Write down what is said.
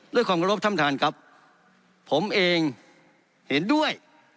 ด้วยความกระโลกท่ำทันครับผมเองเห็นด้วย